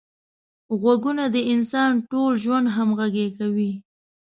غوږونه د انسان ټول ژوند همغږي کوي